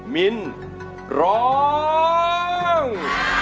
มินร้อง